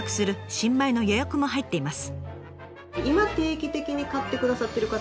新米の予約も入っています。